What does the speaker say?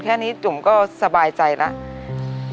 แค่นี้จุ่มก็สบายใจแล้ว